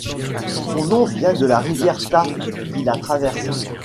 Son nom vient de la rivière Taf qui la traverse.